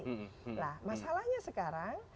nah masalahnya sekarang